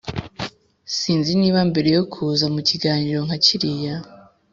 Sinzi niba mbere yo kuza mu kiganiro nka kiriya,